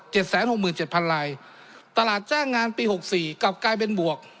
แสนหกหมื่นเจ็ดพันลายตลาดจ้างงานปีหกสี่กลับกลายเป็นบวก